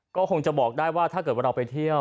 ก็คงจะบอกได้ว่าถ้าเกิดว่าเราไปเที่ยว